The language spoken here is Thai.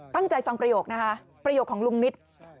ตั้งใจฟังประโยคนะคะประโยคของลุงนิต